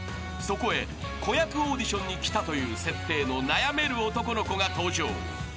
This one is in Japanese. ［そこへ子役オーディションに来たという設定の悩める男の子が登場］